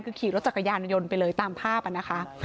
คือขี่รถจักรยานยนต์ไปเลยตามภาพนะคะ